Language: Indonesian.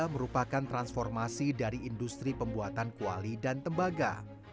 merupakan transformasi dari industri pembuatan kuali dan tembaga